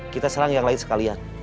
kita serang yang lain sekalian